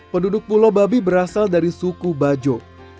penduduk pulau babi berasal dari suku bajo